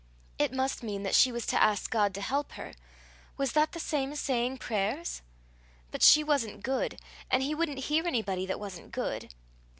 It must mean that she was to ask God to help her: was that the same as saying prayers? But she wasn't good, and he wouldn't hear anybody that wasn't good.